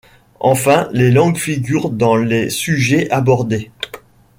Enfin, les langues figurent dans les sujets abordés.